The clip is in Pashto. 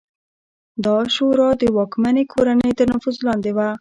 دا شورا د واکمنې کورنۍ تر نفوذ لاندې وه